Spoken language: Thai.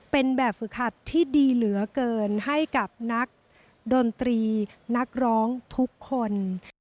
เป็นแบบฝึกหัดที่ดีเหลือเกินให้กับนักดนตรีนักร้องทุกคน